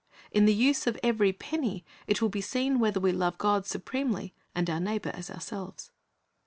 In the use of every penny it will be seen whether we love God supremely and our neighbor as ourselves.